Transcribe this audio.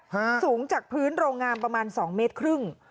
สูงจากพื้นโรงงานประมาณสองเมตรครึ่ง